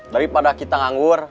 daripada kita nganggur